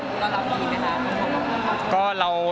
เรารับส้อนกันไปหรือยังครับ